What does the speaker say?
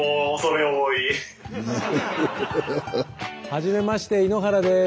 はじめまして井ノ原です。